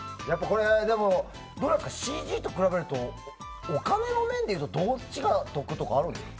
でも、ＣＧと比べるとお金の面でいうとどっちが得とかあるんですか？